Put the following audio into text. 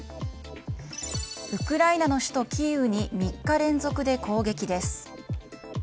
ウクライナの首都キーウに３日連続で攻撃です。